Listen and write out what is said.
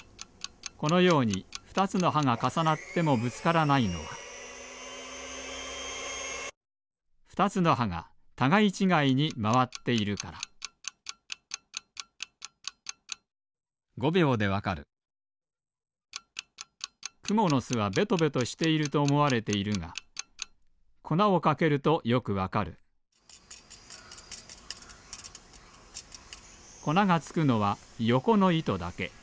このように２つのはがかさなってもぶつからないのは２つのはがたがいちがいにまわっているからくものすはベトベトしているとおもわれているがこなをかけるとよくわかるこながつくのはよこのいとだけ。